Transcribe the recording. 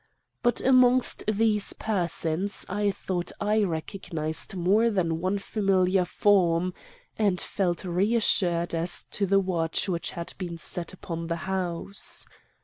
But amongst those persons I thought I recognized more than one familiar form, and felt reassured as to the watch which had been set upon the house.